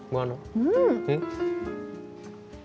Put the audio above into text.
うん！